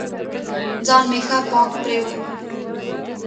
ځان مې ښه پاک پرېوه.